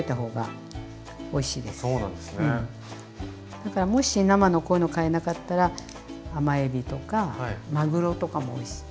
だからもし生のこういうのを買えなかったらあまえびとかまぐろとかもおいしい。